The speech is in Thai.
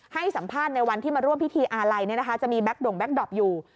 ให้สัมภาษณ์ในวันที่มาร่วมพิธีอะไรจะมีแบ็คดลงแบ็คด็อปอยู่